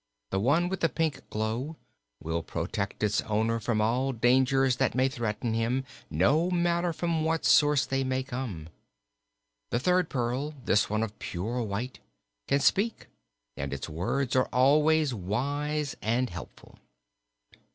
The one with the pink glow will protect its owner from all dangers that may threaten him, no matter from what source they may come. The third pearl this one of pure white can speak, and its words are always wise and helpful."